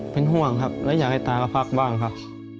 เป็นห่วงครับแล้วอยากให้ตาก็พักบ้างครับ